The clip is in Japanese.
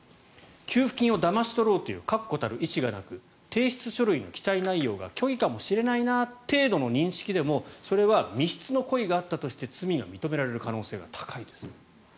給付金をだまし取ろうという確固たる意思がなく提出書類の記載内容が虚偽かもしれないな程度の認識でもそれは未必の故意があったとして罪が認められる可能性が高いです。